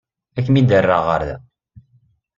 Ad kem-id-rreɣ ɣer da.